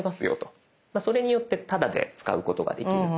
それによってタダで使うことができる。